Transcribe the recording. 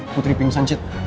putri pingsan cid